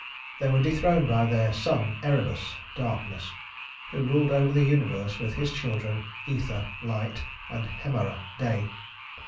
They were dethroned by their son Erebus (Darkness) who ruled over the universe with his children Æther (Light) and Hemera (Day).